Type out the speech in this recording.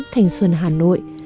thành xuân hà nội